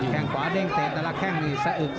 แค่งขวาเด้งเตะแต่ละแข้งนี่สะอึก